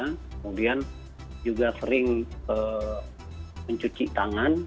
kemudian juga sering mencuci tangan